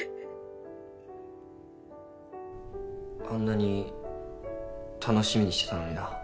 あんなに楽しみにしてたのにな。